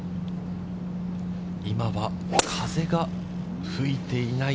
今は風が吹いていない。